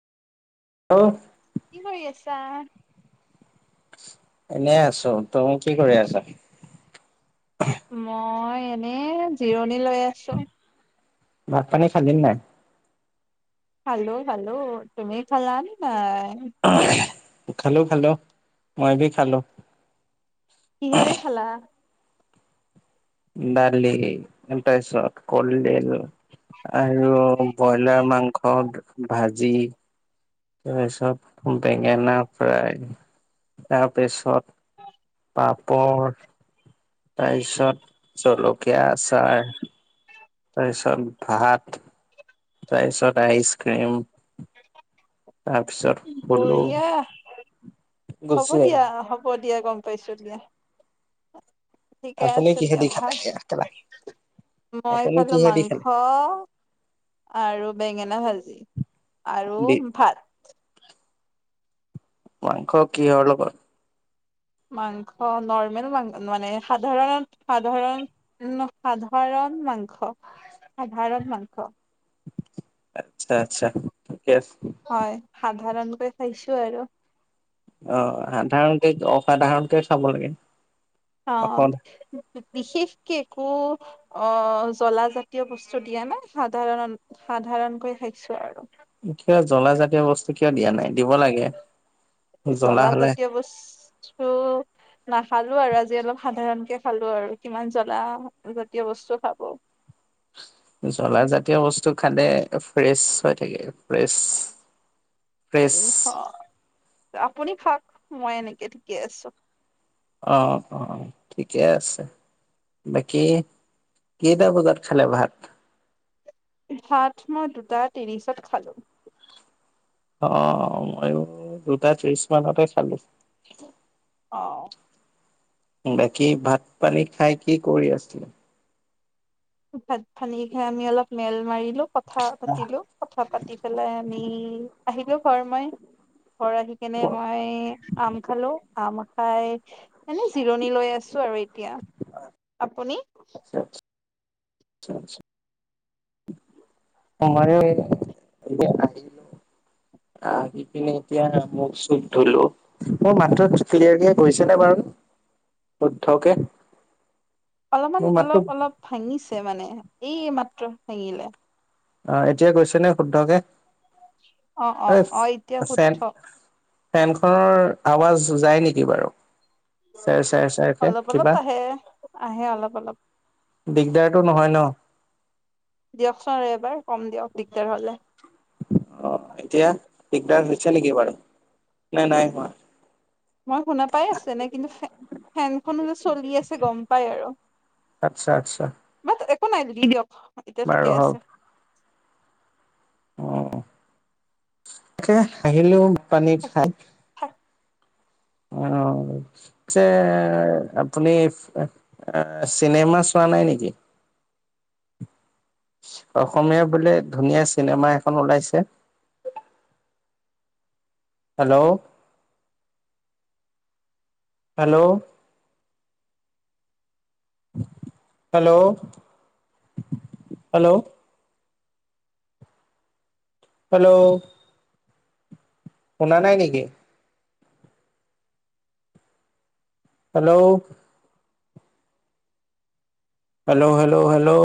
অহ ', কি কৰিআছা। এনেই আছো তুমি কি কৰি আছ। মই এনে জিৰণি লৈ আছো। ভাত পানী খালি নে নাই? খালোঁ - খালোঁ তুমি খালা নে নাই? অহ ', খালোঁ- খালোঁ মই ভি খালোঁ। কিহেৰে খালা? দালি তাৰপিছত কলডিল আৰু ব্ৰইলাৰ মাংস ভাজি। তাৰপিছত বেঙেনা ফ্ৰাই তাৰপিছত। পাপৰ তাৰপিছত জলকীয়া আচাৰ তাৰপিছত ভাত তাৰপিছত আইচক্ৰীম। তফিছাৰ বলো। বঢ়িয়া হ'ব দিয়া হ'ব দিয়া। দিয়া গম পাইছো দিয়া। ঠিকে আপুনি আছে দিয়া কিহেদি ভাল খালে মই আপুনি খালো কিহেদি মাংস খালে? আৰু। বেঙেনা হালজি। আৰু ভাত। মংস কিয় লগত। মাংস নৰ্মেল মাং মানে সাধাৰণত সাধাৰণ সাধাৰণ মাংস সাধাৰণ মাংস। আচ্ছা আচ্ছা। আছে হয় খালোঁ। ধাৰণকৈ খাইছো আৰু। অ', সাধাৰণতে অসাধাৰণকে চাব লাগে। অহ। অকল ' বিশেষকে একো অ জ্বলাাজাতীয় বস্তু দিয়া নাই সাধাৰণ সাধাৰণকৈ খাইছো আৰু। কিয় জ্বলা জাতীয় বস্তু কিয় দিয়া নাই দিব লাগে। জ্বলা হলে জলাাজাতীয় বস্তু। নাখালো আৰু আজি অলপ সাধাৰণ কে। খালো আৰু কিমান জ্বলা জাতীয় বস্তু খাব। জ্বলা জাতীয় বস্তু খানে ফ্ৰেছ হৈ থাকে ফ্ৰেছ। ফ্ৰেছ অ। আপুনি খাওঁক মই এনেকে ঠিকে আছোঁ। অ অ ঠিকে আছে বাকী কেইটা বজাত খালে ভাত। হাত মই দুটা তিছত খালো। অ', ময়ো দুটা ত্ৰিশ মানতে খালোঁ। অ। বাকী ভাত পানী খাই কি কৰি আছিলো। ভাত পানী খাই আমি অলপ মেল মাৰি। কথা পাতিলো কথা পাতি পেলাই আমি আহিলো। ফমাই। ঘৰ আহি কেনে অ মই আম খালো। আম খাই এনেে জিৰণি লৈ আছো আৰু এতিয়া আপুনি। আ [unintelligible] অ [unintelligible] সমময় এতিয়া আহিলো আহি পিনে এতিয়া মোক চপ ধলো মোৰ মাত্ৰ ক্লিয়াৰক গৈছে নে বাৰু শুদ্ধকে। অলপমান মোৰ মাতটো অলপ অলপ ভাঙিছে মানে। এই মাত ভেঙিলে। অ এতিয়া গৈছে নে শুদ্ধকে। অ অ এই অ এতিয়া ফেন শুদ্ধ ফেনখনৰ আৱাজ যায় নেকি বাৰু চ চ চাই চে অলপ অলপ কিবা আহে আহে অলপ অলপ দিগদাৰটো নহয় ন দিয়কচোন এবাৰ কম দিয়ক দিগদাৰ হলে অ এতিয়া দিগদাৰ হৈছে নেকি বাৰু নাই নাই হোৱা মই শুনা পাই আছছে নে কিন্তু ফেনখন যে চলি আছে গম পাই আৰু- আচ্ছা আচ্ছা কো নাই দিবি দিয়ক এতিয়া ঠিকে বাৰু আছে হওক অ তাকে আহিলেও পনীৰ থাকিব খাই থাক আহ পিছে আপুনি চিনেমা চোৱা নাই নেকি? অসমীয়া বোলে ধুনীয়া চিনেমা এখন ওলাইছে hello hello hello hello hello শুনা নাই নেকি? Hello hello hello hello